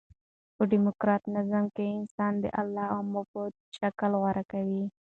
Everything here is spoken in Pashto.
په ډیموکراټ نظام کښي انسان د اله او معبود شکل غوره کوي.